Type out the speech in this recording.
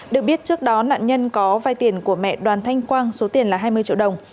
được biết trước đó nạn nhân có vai tiền của mẹ đoàn thanh quang số tiền là hai mươi triệu đồng